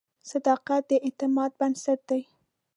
صداقت د اعتماد بنسټ دی.